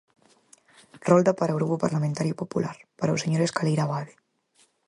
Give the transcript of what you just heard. Rolda para o Grupo Parlamentario Popular, para o señor Escaleira Abade.